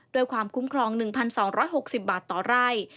ความคุ้มครอง๑๒๖๐บาทต่อไร่